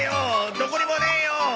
どこにもねえよ！